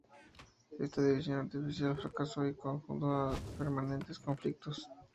Esta división artificial fracasó y condujo a permanentes conflictos.